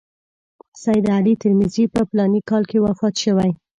سید علي ترمذي په فلاني کال کې وفات شوی.